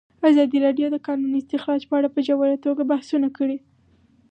ازادي راډیو د د کانونو استخراج په اړه په ژوره توګه بحثونه کړي.